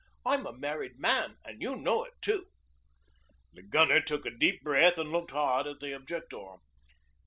'I'm a married man, an' you knows it too.' The Gunner took a deep breath and looked hard at the objector.